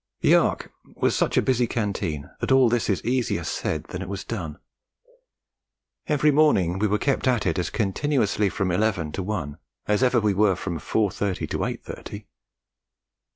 The Ark was such a busy canteen that all this is easier said than it was done. Every morning we were kept at it as continuously from eleven to one as ever we were from four thirty to eight thirty.